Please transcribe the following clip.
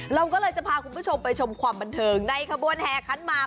เราก็เลยจะพาคุณผู้ชมไปชมความบันเทิงในขบวนแห่ขันหมาก